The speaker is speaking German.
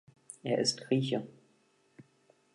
Er ist Grieche!